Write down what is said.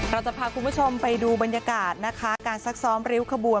เราจะพาคุณผู้ชมไปดูบรรยากาศนะคะการซักซ้อมริ้วขบวน